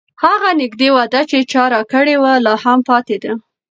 هغه نږدې وعده چې چا راکړې وه، لا هم پاتې ده.